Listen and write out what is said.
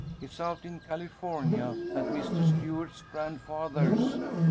It's out in California, at Mister Stuart's grandfather's.